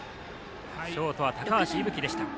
ショートは高橋歩希でした。